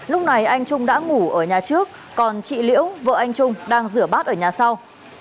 lúc này anh trung đã ngủ ở nhà trước còn chị liễu vợ anh trung đang rửa bát ở nhà sau